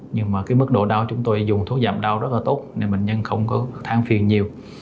nhưng mà cái mức độ đau chúng tôi dùng thuốc giảm đau rất là tốt nên bệnh nhân không có thang phiền nhiều